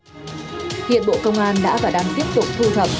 hiện bộ công an đã và đang tiếp tục thu thập